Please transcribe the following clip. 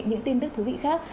những tin tức thú vị khác